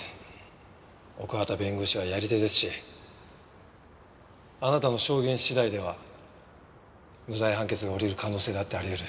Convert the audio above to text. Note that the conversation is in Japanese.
奥畑弁護士はやり手ですしあなたの証言次第では無罪判決が下りる可能性だってありうる。